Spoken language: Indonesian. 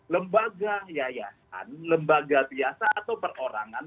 lembaga yayasan lembaga biasa atau perorangan